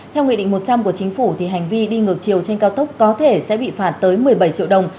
theo nghị định một trăm linh của chính phủ hành vi đi ngược chiều trên cao tốc có thể sẽ bị phạt tới một mươi bảy triệu đồng